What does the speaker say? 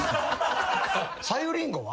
さゆりんごは？